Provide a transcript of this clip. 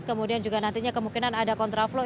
kemudian juga nantinya kemungkinan ada kontraflow